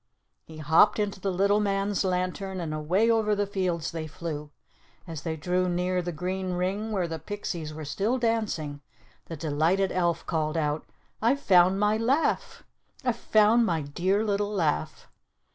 He hopped into the little man's lantern, and away over the fields they flew. As they drew near the green ring where the pixies were still dancing, the delighted elf called out, "I've found my laugh! I've found my dear little laugh!"